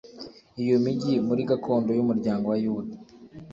iyo migi muri gakondo y umuryango wa Yuda